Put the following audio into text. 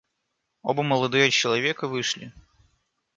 Оба молодые человека вышли.